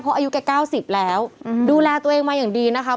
เพราะอายุแก๙๐แล้วดูแลตัวเองมาอย่างดีนะคะ